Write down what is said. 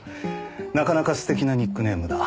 なかなか素敵なニックネームだ。